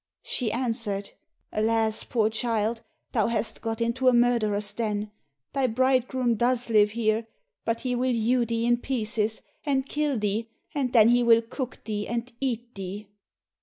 She answered, 'Alas poor child, thou hast got into a murderer's den, thy bridegroom does live here, but he will hew thee in pieces, and kill thee, and then he will cook thee, and eat thee.